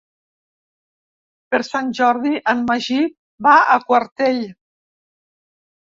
Per Sant Jordi en Magí va a Quartell.